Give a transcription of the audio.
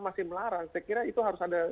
masih melarang saya kira itu harus ada